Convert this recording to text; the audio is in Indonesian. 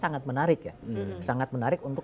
sangat menarik ya sangat menarik untuk